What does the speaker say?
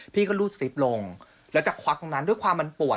พี่ก็รูดซิปลงแล้วจะควักตรงนั้นด้วยความมันปวด